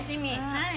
はい。